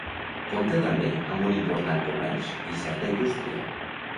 Compta també amb un important comerç i certa indústria.